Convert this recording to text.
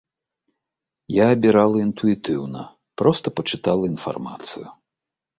Я абірала інтуітыўна, проста пачытала інфармацыю.